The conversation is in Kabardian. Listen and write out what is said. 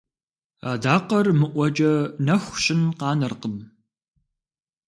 Адакъэр мыӀуэкӀэ нэху щын къанэркъым.